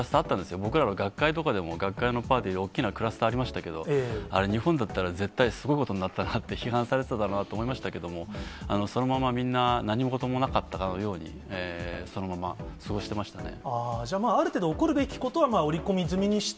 僕らの学会とかでも、学会のパーティーで大きなクラスターありましたけど、あれ、日本だったら絶対、すごいことになったなって、批判されてただろうなって思いましたけど、そのままみんな、何事もなかったかのように、じゃあまあ、ある程度起こるべきことは織り込み済みにして。